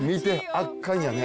圧巻やね。